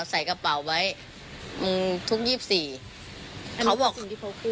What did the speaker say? ใส่กระเป๋าไว้มึงทุกยี่สี่เขาบอกอันนี้เป็นสิ่งที่เขาคือ